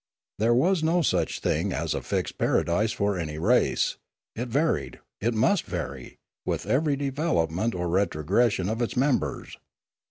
There was no such thing as a fixed paradise for any race; it varied, it must vary, with every development or retrogression of its members.